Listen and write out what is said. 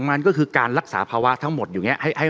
มันก็คือการรักษาภาวะทั้งหมดอยู่อย่างนี้